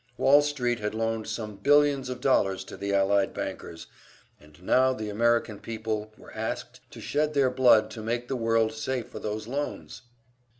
Wall Street had loaned some billions of dollars to the Allied bankers, and now the American people were asked to shed their blood to make the world safe for those loans!